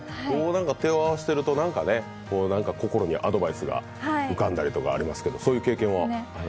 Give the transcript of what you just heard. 手を合わせてると心にアドバイスが浮かんだりとかありますけどそういう経験は？